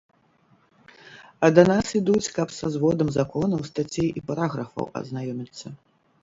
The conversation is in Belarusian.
А да нас ідуць, каб са зводам законаў, стацей і параграфаў азнаёміцца.